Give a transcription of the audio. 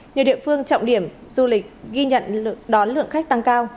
nhiều địa phương trọng điểm du lịch ghi nhận đón lượng khách tăng cao